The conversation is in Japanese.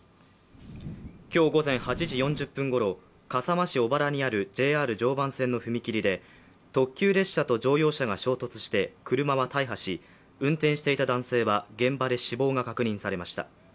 今日午前８時４０分ごろ、笠間市小原にあるＪＲ常磐線の踏切で特急列車と乗用車が衝突して車は大破し運転していた男性は現場で死亡が確認されました。